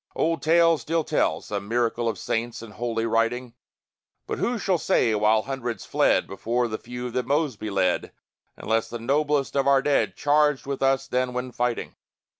Old tales still tell some miracle Of saints in holy writing But who shall say while hundreds fled Before the few that Mosby led, Unless the noblest of our dead Charged with us then when fighting?